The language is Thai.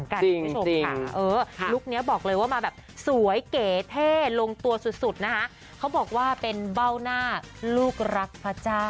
จริงลูกนี้บอกเลยว่ามาแบบสวยเก๋เท่ลงตัวสุดนะฮะเขาบอกว่าเป็นเบ้าหน้าลูกรักพระเจ้า